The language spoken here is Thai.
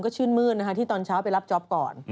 ก็ชื่นมืดนะคะที่ตอนเช้าไปรับจ๊อปก่อน